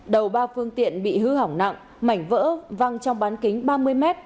đầu ba phương tiện bị hư hỏng nặng mảnh vỡ văng trong bán kính ba mươi m